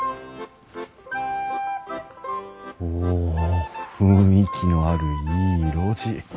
お雰囲気のあるいい路地。